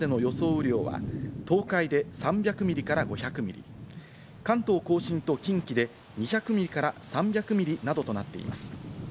雨量は東海で３００ミリから５００ミリ、関東甲信と近畿で２００ミリから３００ミリなどとなっています。